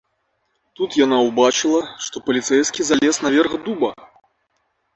Тут яна ўбачыла, што паліцэйскі залез на верх дуба.